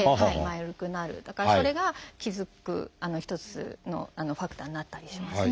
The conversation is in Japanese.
だからそれが気付く一つのファクターになったりしますね。